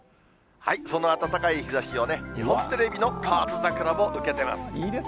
その暖かい日ざしをね、日本テレビの河津桜も受けてます。